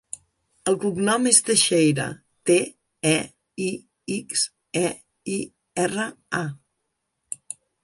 El cognom és Teixeira: te, e, i, ics, e, i, erra, a.